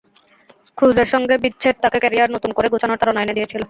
ক্রুজের সঙ্গে বিচ্ছেদ তাঁকে ক্যারিয়ার নতুন করে গোছানোর তাড়না এনে দিয়েছিল।